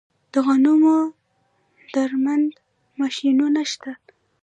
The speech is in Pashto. د غنمو درمند ماشینونه شته